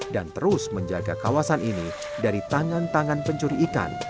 dan terus menjaga kawasan ini dari tangan tangan pencuri ikan